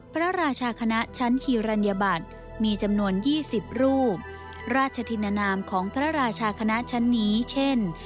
พระราชาคณะชั้นฮีรัญญบัตรมีจำนวน๒๐รูปราชธินนามของพระราชาคณะชั้นนี้เช่น